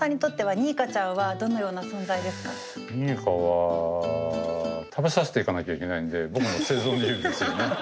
ニーカは食べさせていかなきゃいけないんで僕の生存理由ですよね。